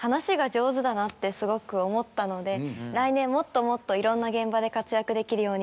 だなってすごく思ったので来年もっともっといろんな現場で活躍できるように。